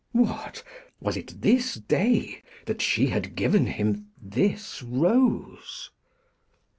What, was it this day that she had given him this rose?